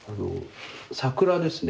桜ですね